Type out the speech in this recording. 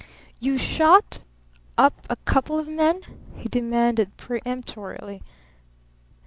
"You 'shot up' a couple of men?" he demanded peremptorily.